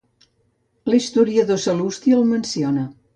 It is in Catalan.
L'historiador Sal·lusti el menciona.